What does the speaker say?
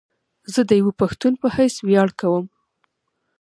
زه ديوه پښتون په حيث وياړ کوم